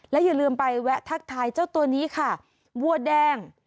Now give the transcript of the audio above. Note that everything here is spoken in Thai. อย่าลืมไปแวะทักทายเจ้าตัวนี้ค่ะวัวแดง